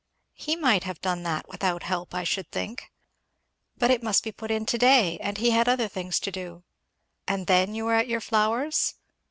"He might have done that without help I should think." "But it must be put in to day, and he had other things to do." "And then you were at your flowers?